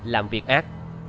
làm việc ác